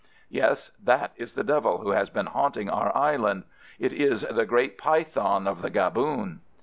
"Yes, that is the devil who has been haunting our island. It is the great python of the Gaboon."